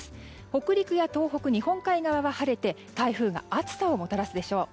北陸や東北日本海側は晴れて台風が暑さをもたらすでしょう。